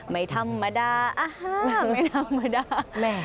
ไม่ธรรมดาอ่าฮ่าไม่ธรรมดา